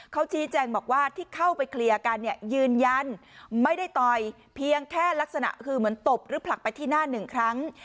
เขาชี้แจงบอกว่าที่เข้าไปเคลียร์กันเนี่ยยืนยันไม่ได้ต่อยเพียงแค่ลักษณะคือเหมือนตบหรือผลักไปที่หน้าหนึ่งครั้ง